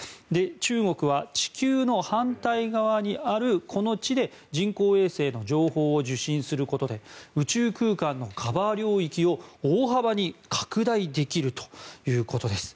中国は地球の反対側にあるこの地で人工衛星の情報を受信することで宇宙空間のカバー領域を大幅に拡大できるということです。